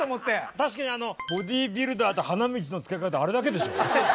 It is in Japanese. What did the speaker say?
確かにボディービルダーと花道の使い方あれだけでしょ？